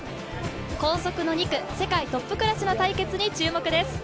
高速の２区、世界トップクラスの対決に注目です。